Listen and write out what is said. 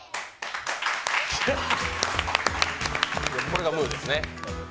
これがムーですね。